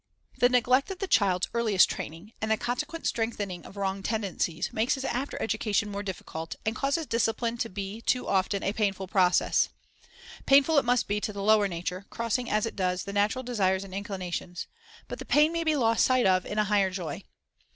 The neglect of the child's earliest training, and the conse quent strengthening of wrong tendencies, makes his 296 The Under Teacher* after education more difficult, and causes discipline to be too often a painful process. Painful it must be to the lower nature, crossing, as it does, the natural desires and inclinations; but the pain may be lost sight of in a higher joy.